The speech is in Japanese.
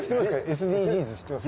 ＳＤＧｓ知ってます？